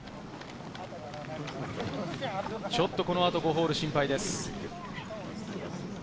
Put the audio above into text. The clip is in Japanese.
ちょっとこのあと５ホール心配です。